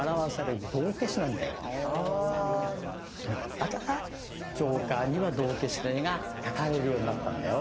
だからジョーカーには道化師の絵が描かれるようになったんだよ。